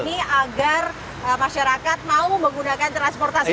ini agar masyarakat mau menggunakan transportasi publik